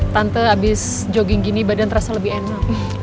tante habis jogging gini badan terasa lebih enak